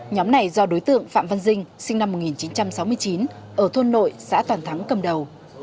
nhóm này do đối tượng phạm văn dinh sinh năm một nghìn chín trăm sáu mươi chín ở thôn nội xã toàn thắng cầm đầu